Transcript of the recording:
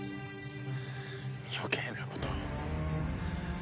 余計なことを。